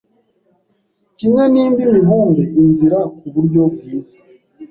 Kimwe n'indi mibumbe inzira kuburyo bwiza